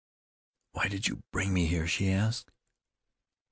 "Why did you bring me here?" she asked.